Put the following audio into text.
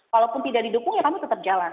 walaupun tidak didukung ya kami tetap jalan